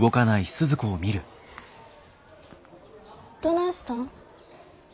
どないしたん？